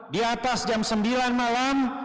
di atas jam sembilan malam